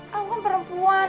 kamu kan perempuan